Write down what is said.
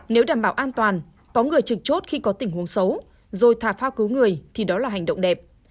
nếu đảm bảo an toàn có người trực chốt khi có tình huống xấu rồi thả phao cứu người thì đó là hành động đẹp